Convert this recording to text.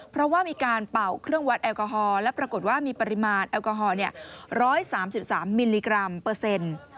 เพราะว่ามีการเป่าเครื่องวัดแอลกอฮอล์และปรากฏว่ามีปริมาณแอลกอฮอล๑๓๓มิลลิกรัมเปอร์เซ็นต์